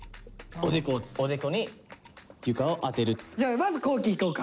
じゃあまず皇輝いこうか。